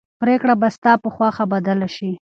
پرېکړه به ستا په خوښه بدله شي.